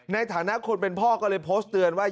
ในฐานะคนเป็นพ่อก็เลยโพสต์เตือนว่า